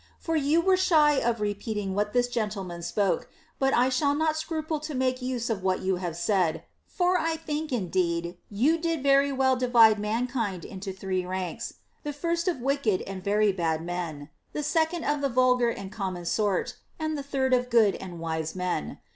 For you were shy of repeating what this gentleman spoke, but I shall not scruple to make use of what you have said ; for I think indeed you did very well divide mankind into three ranks ; the first of wicked and very bad men, the second of the vulgar and common sort, and the third of good and wise men.